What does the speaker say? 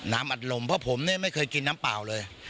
อัดลมเพราะผมเนี่ยไม่เคยกินน้ำเปล่าเลย